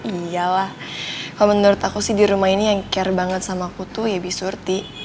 iya lah kalau menurut aku sih di rumah ini yang care banget sama aku tuh ya besurty